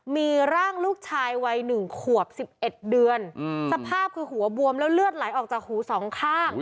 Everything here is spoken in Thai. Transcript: มีร่างลูกชายวัย๑ขวบ๑๑เดือนสภาพคือหัวบวมแล้วเลือดไหลออกจากหูสองข้าง